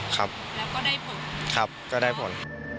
แล้วก็ได้ผลครับครับก็ได้ผล